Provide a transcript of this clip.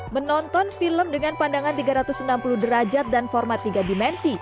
menonton film dengan pandangan tiga ratus enam puluh derajat dan format tiga dimensi